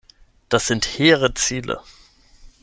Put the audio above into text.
Das sind hehre Ziele.